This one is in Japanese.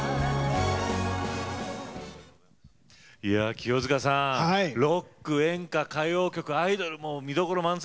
清塚さんロック、演歌、歌謡曲、アイドル、見どころ満載。